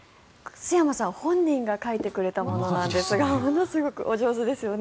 陶山さん本人が描いてくれたものなんですがものすごくお上手ですよね。